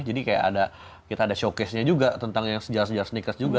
jadi kayak ada kita ada showcase nya juga tentang yang sejarah sejarah sneakers juga